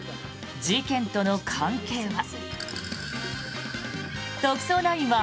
事件との関係は？